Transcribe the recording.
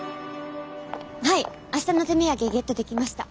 はい明日の手土産ゲットできました。